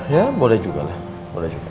ya boleh juga lah boleh juga